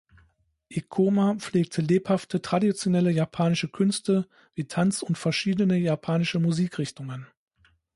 Ikoma pflegte lebhafte traditionelle japanische Künste wie Tanz und verschiedene japanische Musikrichtungen.